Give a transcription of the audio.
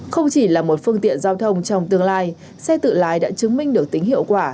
không chỉ là một phương tiện giao thông trong tương lai xe tự lái đã chứng minh được tính hiệu quả